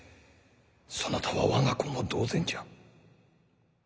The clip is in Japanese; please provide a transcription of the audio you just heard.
そなたは我が子も同然じゃ。